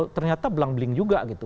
ternyata belang bling juga gitu